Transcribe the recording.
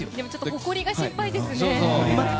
ほこりが心配ですね。